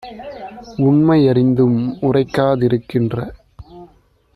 உண்மை யறிந்தும் உரைக்கா திருக்கின்ற